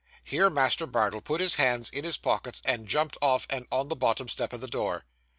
Here Master Bardell put his hands in his pockets, and jumped off and on the bottom step of the door.